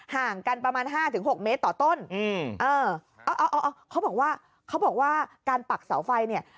ห่างกันประมาณ๕๖เมตรต่อต้นเขาบอกว่าการปักเสาไฟเนี่ย